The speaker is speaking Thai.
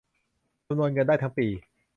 จำนวนเงินได้ทั้งปี